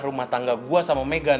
rumah tangga gue sama megan